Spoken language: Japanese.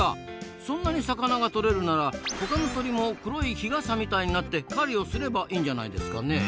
そんなに魚がとれるならほかの鳥も黒い日傘みたいになって狩りをすればいいんじゃないですかねえ？